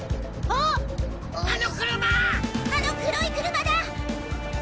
あの黒い車だ！